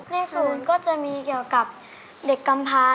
ในธุ์ลจะมีเกี่ยวกับเด็กกำพา